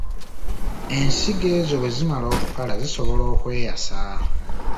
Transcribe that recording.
Ensigo ezo bwe zimala okukala, zisobola okweyasa.